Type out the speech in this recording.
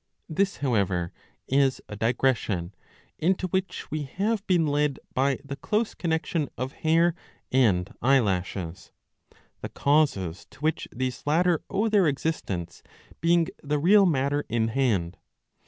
This however is a digression, into which we have been led by the close connection of hair and eyelashes ; the causes to which these latter owe their existence being the real matter in hand.